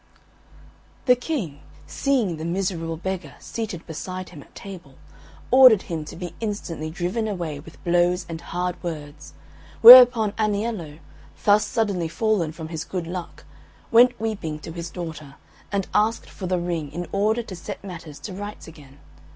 The King, seeing the miserable beggar seated beside him at table, ordered him to be instantly driven away with blows and hard words, whereupon Aniello, thus suddenly fallen from his good luck, went weeping to his daughter, and asked for the ring in order to set matters to rights again.